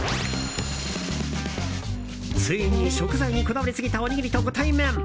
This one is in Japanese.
ついに、食材にこだわりすぎたおにぎりとご対面。